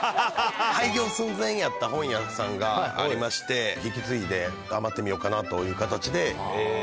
廃業寸前やった本屋さんがありまして引き継いで頑張ってみようかなという形で。